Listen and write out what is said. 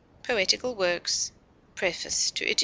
[B] _Poetical Works, Pref. to Ed.